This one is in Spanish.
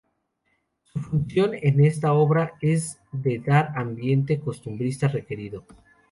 Su función en esta obra es dar el ambiente costumbrista requerido.